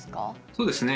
そうですね